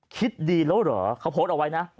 คิดดีแล้วเหรอเขาโพสต์เอาไว้นะ